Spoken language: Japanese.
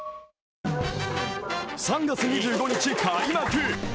３月２５日、開幕！